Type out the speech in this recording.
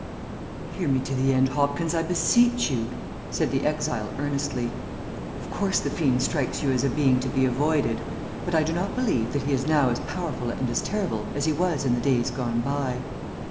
"HEAR me to the end, Hopkins, I beseech you," said the exile earnestly. "Of course the fiend strikes you as a being to be avoided, but I do not believe that he is now as powerful and as terrible as he was in the days gone by.